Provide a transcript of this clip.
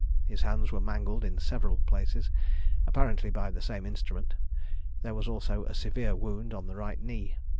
His hands were mangled in several places, apparently by the same instrument: there was also a severe wound on the right knee.